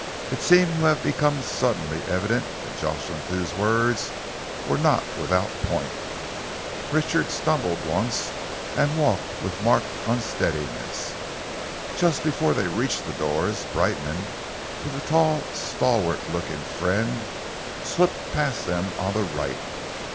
It seemed to have become suddenly evident that Jocelyn Thew's words were not without point. Richard stumbled once and walked with marked unsteadiness. Just before they reached the doors, Brightman, with a tall, stalwart looking friend, slipped past them on the right.